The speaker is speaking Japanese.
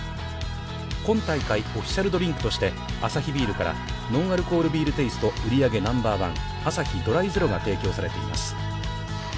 今大会、オフィシャルドリンクとして、アサヒビールからノンアルコールビールテイスト売上ＮＯ．１のアサヒドライゼロが提供されています。